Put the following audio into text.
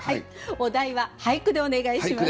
お題は「俳句」でお願いします。